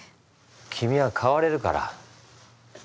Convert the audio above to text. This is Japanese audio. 君は変われるから。